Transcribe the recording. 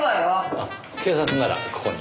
あっ警察ならここに。